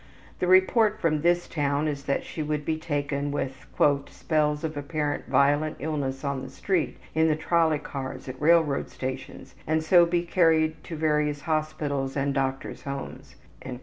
The report from this town is that she would be taken with ``spells of apparent violent illness on the street, in the trolley cars, at railroad stations, and so be carried to various hospitals and doctors' homes.''